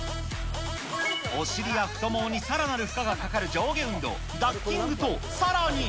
お尻や太ももにさらなる負荷がかかる上下運動、ダッキングとさらに。